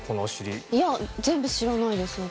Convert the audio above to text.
いや全部知らないです私。